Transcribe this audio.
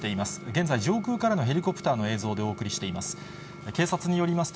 現在、上空からのヘリコプターの映像でお送りしています。